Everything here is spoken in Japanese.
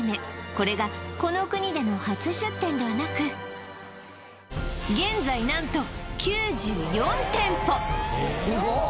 これがこの国での初出店ではなく何とすごっ